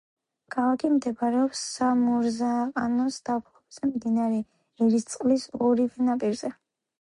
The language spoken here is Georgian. ქალაქი მდებარეობს სამურზაყანოს დაბლობზე, მდინარე ერისწყლის ორივე ნაპირზე.